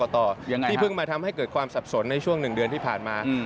ที่เพิ่งมาทำให้เกิดความสับสนในช่วง๑เดือนที่ผ่านมา